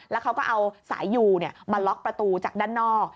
แล้วเขาก็เอาสายยูมาล็อกประตูจากด้านนอก